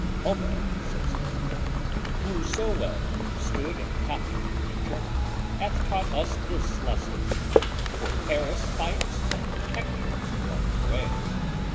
Homer," says he, "who so well understood and copied Nature, hath taught us this lesson; for Paris fights and Hector runs away.